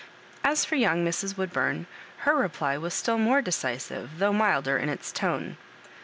As for young Mrs. Wood burn, her reply was still more decisive though milder in its tone.